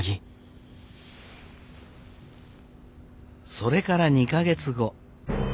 それから２か月後。